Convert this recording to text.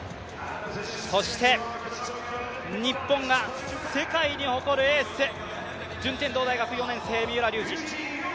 そして日本が世界に誇るエース順天堂大学、三浦龍司。